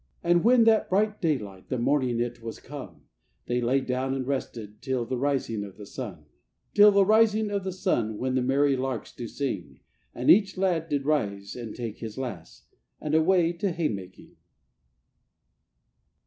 And when that bright daylight, The morning it was come, They lay down and rested Till the rising of the sun: Till the rising of the sun, When the merry larks do sing, And each lad did rise and take his lass, And away to hay making.